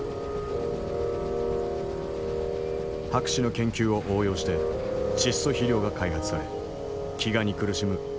博士の研究を応用して窒素肥料が開発され飢餓に苦しむ世界中の人々が救われた。